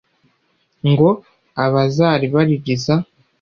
ngo abazaribaririza